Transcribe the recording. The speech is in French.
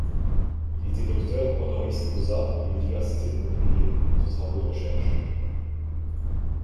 Il était docteur honoris causa de l'Université de Montpellier, pour ses travaux de recherches.